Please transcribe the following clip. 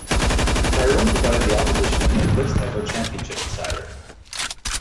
Tyrone provided the opposition in their first-ever championship decider.